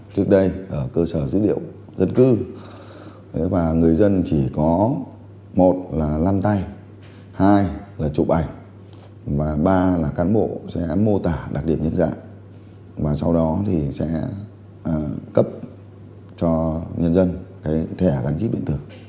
trước đây ở cơ sở dữ liệu dân cư và người dân chỉ có một là lăn tay hai là chụp ảnh và ba là cán bộ sẽ mô tả đặc điểm nhận dạng và sau đó thì sẽ cấp cho nhân dân cái thẻ gắn chip điện tử